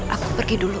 aku pergi dulu